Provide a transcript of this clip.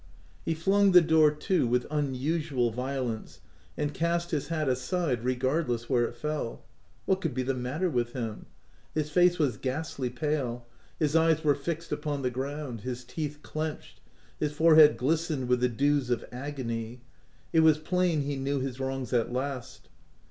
He flung the door to with unusual violence, and cast his hat aside regardless where it fell. What could be the matter with Jiim ? His face was ghastly pale ; his eyes were fixed upon the ground; his teeth clenched; his forehead glis tened with the dews of agony. It was plain he knew his wrongs at last